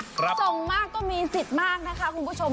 ส่งมากก็มีสิทธิ์มากนะคะคุณผู้ชม